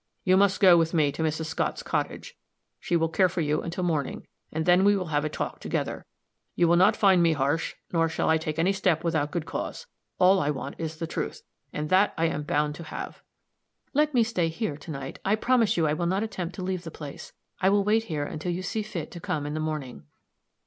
You must go with me to Mrs. Scott's cottage; she will care for you until morning, and then we will have a talk together. You will not find me harsh; nor shall I take any step without good cause. All I want is the truth and that I am bound to have." "Let me stay here to night; I promise you I will not attempt to leave the place. I will wait here until you see fit to come in the morning."